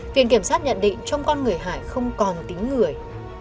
viện kiểm sát nhận định trong con người hải không còn tính người